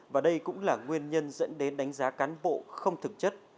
và đây cũng là nguyên nhân dẫn đến đánh giá cán bộ không thực chất